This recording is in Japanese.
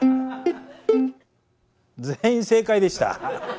全員正解でした。